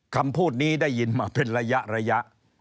คำพูดนี้ได้ยินมาเป็นระยะ